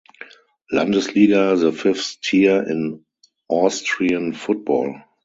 Landesliga, the fifth-tier in Austrian football.